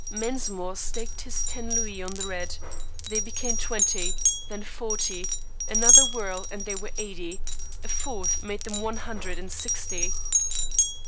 Mensmore staked his ten louis on the red. They became twenty, then forty. Another whirl and they were eighty. A fourth made them one hundred and sixty.